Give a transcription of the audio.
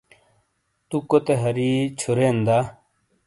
تُو کوتے ہَری چھُورین دا؟